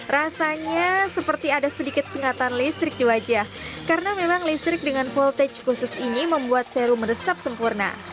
rasanya seperti ada sedikit sengatan listrik di wajah karena memang listrik dengan voltage khusus ini membuat seru meresap sempurna